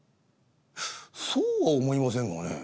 「そうは思いませんがね。